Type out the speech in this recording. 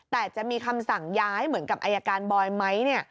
แต่จะมีคำสั่งย้ายเหมือนกับอายการบอยไหม